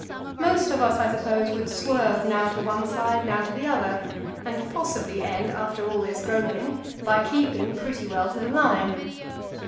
Most of us, I suppose, would swerve now to one side, now to the other, and possibly end, after all this groping, by keeping pretty well to the line.